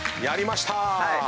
やりました！